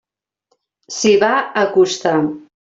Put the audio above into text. S'hi va acostar.